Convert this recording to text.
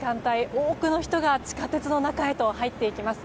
多くの人が地下鉄の中へ入っていきます。